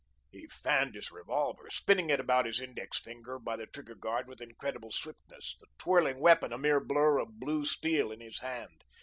He "fanned" his revolver, spinning it about his index finger by the trigger guard with incredible swiftness, the twirling weapon a mere blur of blue steel in his hand.